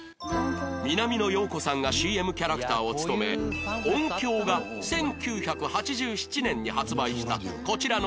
南野陽子さんが ＣＭ キャラクターを務め ＯＮＫＹＯ が１９８７年に発売したこちらのコンポ